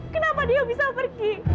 kenapa dia bisa pergi